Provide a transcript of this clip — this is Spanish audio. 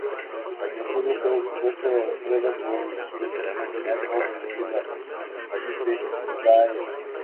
En julio, fue puesto en prueba por el Sandnes Ulf de la Tippeligaen.